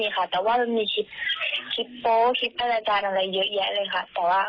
แล้วก็มีคนเข้าห้องน้ำหลายคนแล้ว